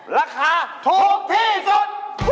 ราคาถูกที่สุด